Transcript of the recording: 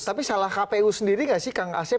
tapi salah kpu sendiri gak sih kang asep